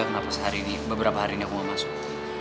kenapa sehari ini beberapa hari ini aku mau masuk